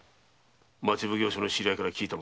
町奉行所の知り合いから聞いた。